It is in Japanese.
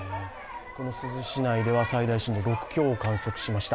珠洲市内では最大震度６強を観測しました。